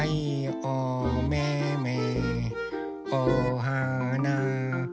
おはな。